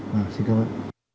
dạ xin cảm ơn